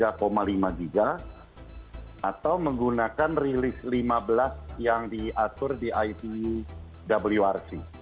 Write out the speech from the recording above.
atau menggunakan rilis lima belas yang diatur di ipwrc